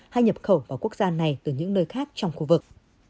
hay nhập khẩu vào quốc gia này từ những nơi khác trong khu vực